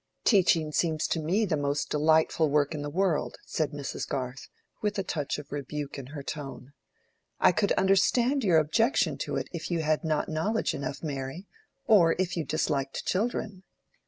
"Teaching seems to me the most delightful work in the world," said Mrs. Garth, with a touch of rebuke in her tone. "I could understand your objection to it if you had not knowledge enough, Mary, or if you disliked children."